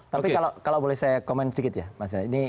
tapi kalau boleh saya komen sedikit ya mas